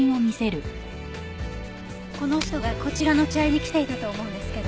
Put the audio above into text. この人がこちらの茶園に来ていたと思うんですけど。